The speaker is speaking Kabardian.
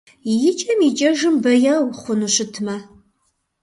Икӏэм-икӏэжым бэяу, хъуну щытмэ!